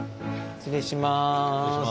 失礼します。